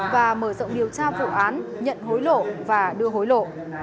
và mở rộng điều tra vụ án nhận hối lộ và đưa hối lộ